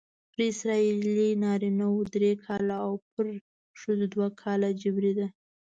پر اسرائیلي نارینه وو درې کاله او پر ښځو دوه کاله جبری ده.